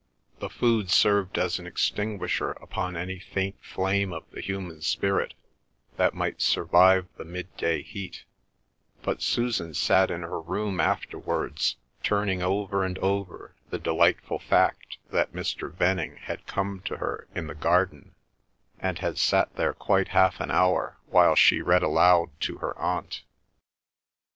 The food served as an extinguisher upon any faint flame of the human spirit that might survive the midday heat, but Susan sat in her room afterwards, turning over and over the delightful fact that Mr. Venning had come to her in the garden, and had sat there quite half an hour while she read aloud to her aunt.